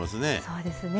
そうですね。